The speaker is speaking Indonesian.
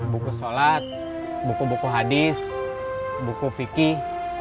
buku sholat buku buku hadis buku fikih